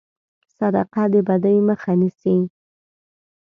صدقه د بدي مخه نیسي.